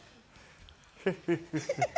フフフフ。